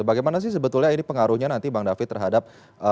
bagaimana sih sebetulnya ini pengaruhnya nanti bang david terhadap